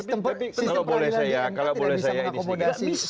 tapi kalau boleh saya ini sih